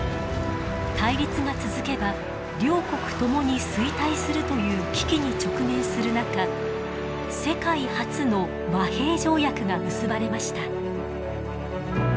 対立が続けば両国ともに衰退するという危機に直面する中世界初の和平条約が結ばれました。